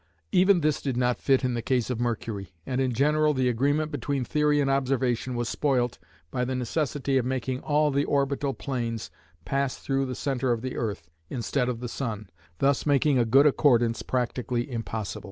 Even this did not fit in the case of Mercury, and in general the agreement between theory and observation was spoilt by the necessity of making all the orbital planes pass through the centre of the earth, instead of the sun, thus making a good accordance practically impossible.